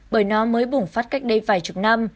bởi nó mới bùng phát cách đây vài chục năm